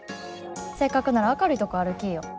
せっかくなら明るいとこ歩きいよ。